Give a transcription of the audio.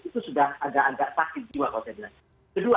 itu sudah agak agak takib juga